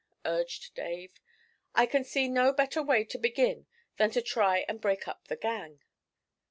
urged Dave. 'I can see no better way to begin than to try and break up the gang.'